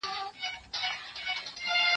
يوه ورځ ديد، بله ورځ شناخت.